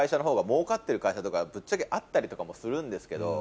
会社とかぶっちゃけあったりとかもするんですけど。